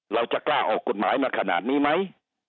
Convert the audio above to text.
เราจะกล้าออกกฎหมายมาขนาดนี้ไหม